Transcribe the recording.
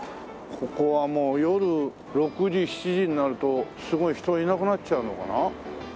ここはもう夜６時７時になるとすごい人いなくなっちゃうのかな？